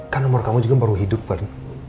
kan umur kamu juga baru hidup kan